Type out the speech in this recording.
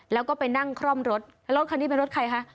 แล้วก็ไปนั่งคล่อมรถแล้วรถคันนี้เป็นรถใครคะ